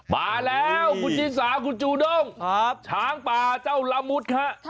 มาแล้วคุณชิสาคุณจูด้งช้างป่าเจ้าละมุดฮะ